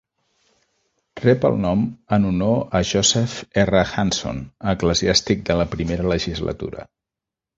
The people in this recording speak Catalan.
Rep el nom en honor a Joseph R. Hanson, eclesiàstic de la primera legislatura.